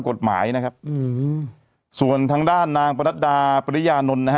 กฎหมายนะครับอืมส่วนทางด้านนางประนัดดาปริยานนท์นะฮะ